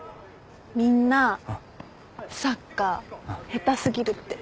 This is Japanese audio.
みんなサッカー下手過ぎるって。